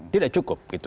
tidak cukup gitu